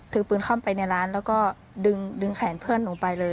ถือปืนเข้าไปในร้านแล้วก็ดึงแขนเพื่อนหนูไปเลย